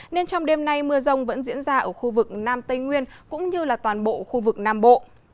nên trong đêm nay mưa rông vẫn diễn ra ở khu vực nam tây nguyên cũng như toàn bộ khu vực nam bộ